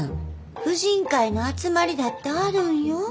婦人会の集まりだってあるんよ。